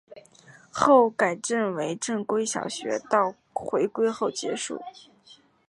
后改为正规小学到回归后结束。